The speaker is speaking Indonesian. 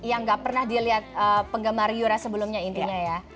yang gak pernah dilihat penggemar yura sebelumnya intinya ya